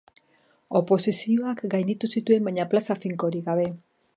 Oposizioak gainditu zituen, baina plaza finkorik gabe.